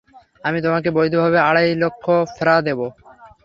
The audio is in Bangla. আমি তোমাকে বৈধভাবে আড়াই লক্ষ ফ্রাঁ দেবো।